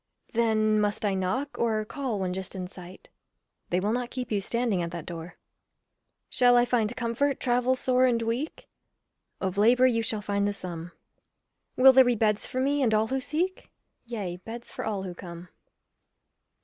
Then must I knock, or call when just in sight? They will not keep you standing at that door. Shall I find comfort, travel sore and weak? Of labour you shall find the sum. Will there be beds for me and all who seek? Yea, beds for all who come.